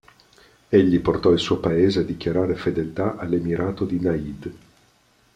Egli portò il suo paese a dichiarare fedeltà all'emirato di Najd.